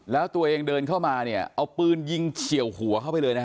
แล้วตัวเองเดินเข้ามาเนี่ยเอาปืนยิงเฉียวหัวเข้าไปเลยนะ